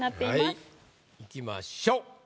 はいいきましょう。